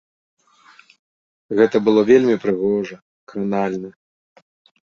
Гэта было вельмі прыгожа, кранальна.